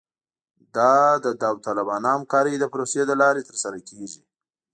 دا د داوطلبانه همکارۍ د پروسې له لارې ترسره کیږي